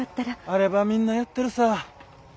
あればみんなやってるさ。